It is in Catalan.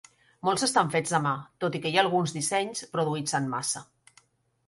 Molts estan fets a mà, tot i que hi ha alguns dissenys produïts en massa.